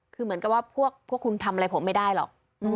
คือเหมือนกับว่าพวกคุณทำอะไรผมไม่ได้หรอก